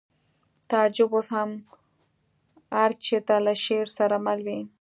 تعجب اوس هر چېرته له شعر سره مل وي